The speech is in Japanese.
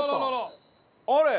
あれ！